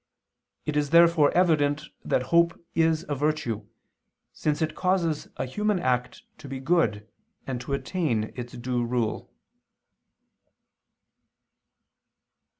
It is therefore evident that hope is a virtue, since it causes a human act to be good and to attain its due rule.